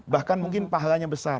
bahkan mungkin pahalanya besar